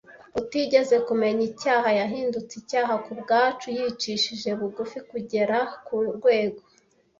Utigeze kumenya icyaha, yahindutse icyaha ku bwacu. Yicishije bugufi kugera ku rwego